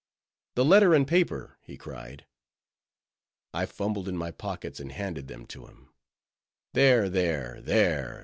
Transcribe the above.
"The letter and paper," he cried. I fumbled in my pockets, and handed them to him. "There! there! there!